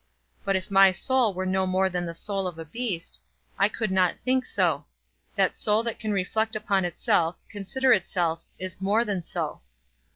But if my soul were no more than the soul of a beast, I could not think so; that soul that can reflect upon itself, consider itself, is more than so.